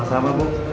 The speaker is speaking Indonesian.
sama sama bu